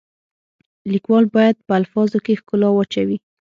لیکوال باید په الفاظو کې ښکلا واچوي.